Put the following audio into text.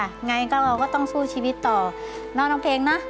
ยังไงเราก็ต้องสู้ชีวิตต่อเหนื่อนักเพลงนะ